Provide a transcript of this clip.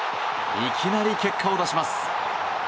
いきなり結果を出します。